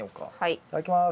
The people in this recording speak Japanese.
いただきます。